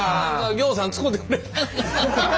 ぎょうさん使てくれる。